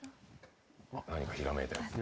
何かひらめいた。